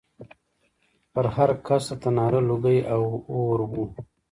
پر هر کڅ د تناره لوګی او اور و